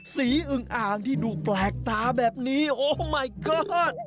สีอึ้งอ่างที่ดูแปลกตาแบบนี้โอ้มายก็อด